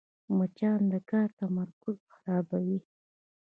مچان د کار تمرکز خرابوي